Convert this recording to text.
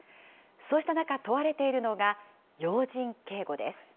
そうした中、問われているのが、要人警護です。